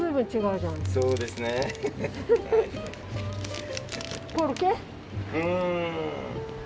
うん。